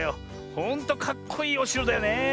ほんとかっこいいおしろだよねえ